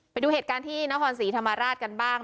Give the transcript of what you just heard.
ไปดูเหตุการณ์ที่นครศรีธรรมราชกันบ้าง